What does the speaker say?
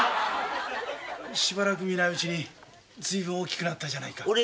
しばらく見ないうちにずいぶん大きくなったじゃないか。